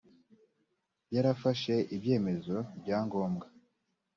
yarafashe ibyemezo bya ngombwa